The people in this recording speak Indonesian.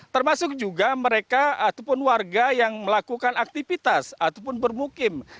termasuk juga mereka ataupun warga yang melakukan aktivitas ataupun bermukim